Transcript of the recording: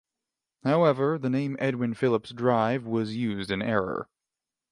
However the name "Edwin Phillips Drive" was used in error.